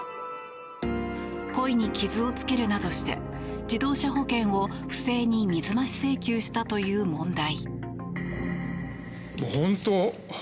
故意に傷をつけるなどして自動車保険を不正に水増し請求したという問題。